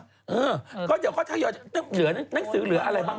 เออก็เดี๋ยวเขาถ่ายอยู่นังสือเหลืออะไรบ้าง